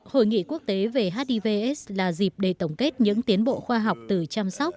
hội nghị quốc tế về hivs là dịp để tổng kết những tiến bộ khoa học từ chăm sóc